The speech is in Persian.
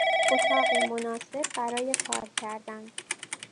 اتاقی مناسب برای کار کردن